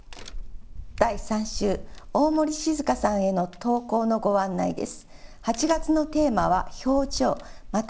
第３週大森静佳さんへの投稿のご案内です。